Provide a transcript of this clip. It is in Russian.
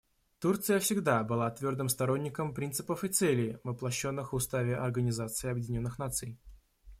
Турция всегда была твердым сторонником принципов и целей, воплощенных в Уставе Организации Объединенных Наций.